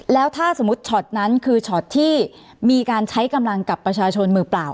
แล้วถ้าสมมุติช็อตนั้นคือช็อตที่มีการใช้กำลังกับประชาชนมือเปล่า